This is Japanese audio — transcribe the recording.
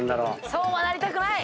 そうはなりたくない！